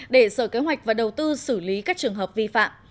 để sở kế hoạch và đầu tư xử lý các trường hợp vi phạm